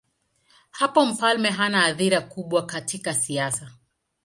Hapo mfalme hana athira kubwa katika siasa.